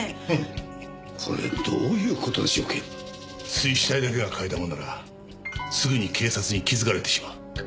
水死体だけが替え玉ならすぐに警察に気づかれてしまう。